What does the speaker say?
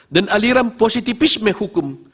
dan aliran positifisme hukum